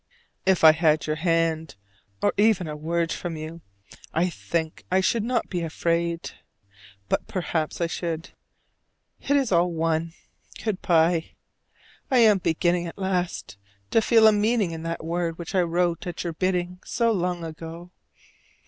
If I had your hand, or even a word from you, I think I should not be afraid: but perhaps I should. It is all one. Good by: I am beginning at last to feel a meaning in that word which I wrote at your bidding so long ago.